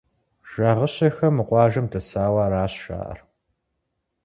Жагъыщэхэ мы къуажэм дэсауэ аращ жаӀэр.